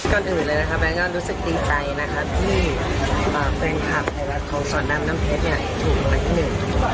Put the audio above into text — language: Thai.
ก่อนอื่นแบงก็รู้สึกดีใจที่แฟนคลับสอนรามน้ำเพชรให้ถูกรำวัลที่๑